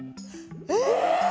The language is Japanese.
えっ！？